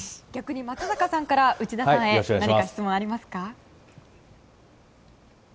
逆に松坂さんから内田さんへ何か質問ありますか？